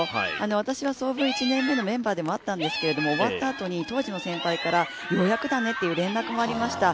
私は創部１年目のメンバーでもあったんですけど、終わったあとに当時の先輩から、ようやくだねという連絡もありました。